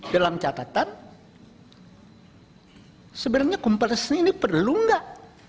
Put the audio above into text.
dalam catatan sebenarnya kompetisi ini perlu nggak